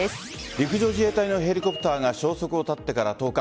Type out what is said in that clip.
陸上自衛隊のヘリコプターが消息を絶ってから１０日。